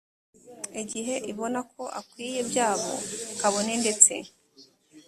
igihe ibona ko akwiye byabo kabone ndetse